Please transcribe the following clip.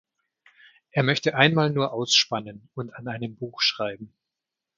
Er möchte einmal nur ausspannen und an einem Buch schreiben.